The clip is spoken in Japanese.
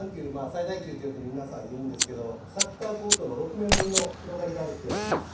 最大級ってよく皆さん言うんですけどサッカーコートの６面分の広がりがあるって言われてます。